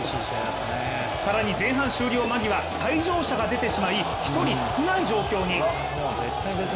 さらに前半終了間際退場者が出てしまい１人、少ない状況に。